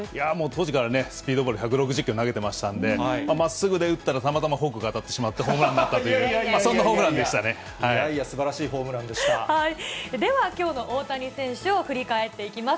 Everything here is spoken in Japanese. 当時からスピードボール、１６０キロ投げてましたんで、まっすぐで打ったら、たまたまフォークが当たってしまって、ホームランになったという、いやいやすばらしいホームラでは、きょうの大谷選手を振り返っていきます。